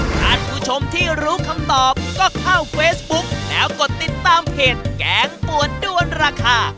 ท่านผู้ชมที่รู้คำตอบก็เข้าเฟซบุ๊กแล้วกดติดตามเพจแกงปวดด้วนราคา